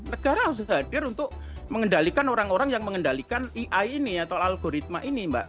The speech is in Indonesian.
negara harus hadir untuk mengendalikan orang orang yang mengendalikan ai ini atau algoritma ini mbak